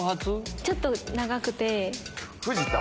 ちょっと長くて。